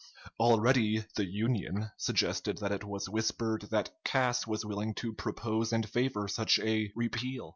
Already the "Union" suggested that it was whispered that Cass was willing to propose and favor such a "repeal."